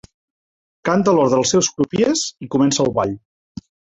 Canta l'ordre als seus crupiers i comença el ball.